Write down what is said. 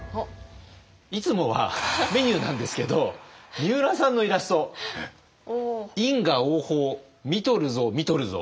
いつもはメニューなんですけどみうらさんのイラスト「因果応報っ！！見とるぞ見とるぞ」。